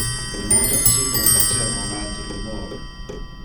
Le motorcyclo faceva un alte rumor.